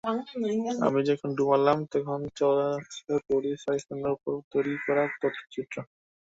আমি যখন ঢুঁ মারলাম, তখন চলছে বরিস পাস্তারনাকের ওপর তৈরি করা তথ্যচিত্র।